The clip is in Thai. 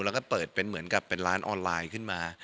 แล้วก็เปิดเป็นเหมือนกับเป็นร้านออนไลน์ขึ้นมา